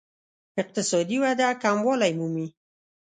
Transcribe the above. اقتصادي وده کموالی مومي.